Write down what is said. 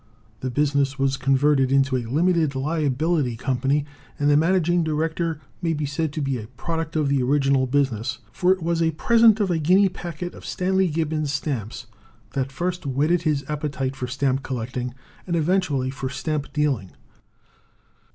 The business was converted into a Limited Liability Company, and the Managing Director may be said to be a product of the original business, for it was a present of a guinea packet of Stanley Gibbons's stamps that first whetted his appetite for stamp collecting, and eventually for stamp dealing.